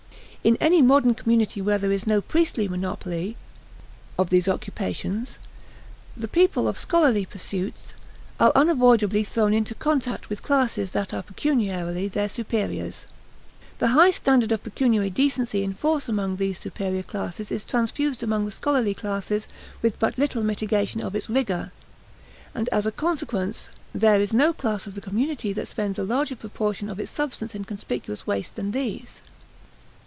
In any modern community where there is no priestly monopoly of these occupations, the people of scholarly pursuits are unavoidably thrown into contact with classes that are pecuniarily their superiors. The high standard of pecuniary decency in force among these superior classes is transfused among the scholarly classes with but little mitigation of its rigor; and as a consequence there is no class of the community that spends a larger proportion of its substance in conspicuous waste than these.